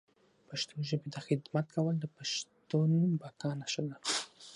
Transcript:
پښتو ژبي ته خدمت کول د پښتون بقا نښه ده